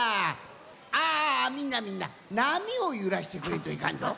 ああみんなみんななみをゆらしてくれんといかんぞ。